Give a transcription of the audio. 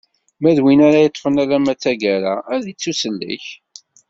Ma d win ara yeṭṭfen alamma d taggara ad ittusellek.